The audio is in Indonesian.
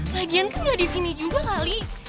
lagian kan udah di sini juga kali